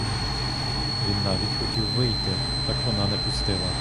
Він навіть хотів вийти, так вона не пустила.